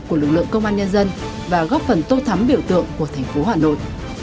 của lực lượng công an nhân dân và góp phần tô thắm biểu tượng của thành phố hà nội